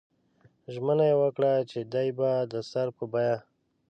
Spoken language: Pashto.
ژمنه یې وکړه چې دی به د سر په بیه.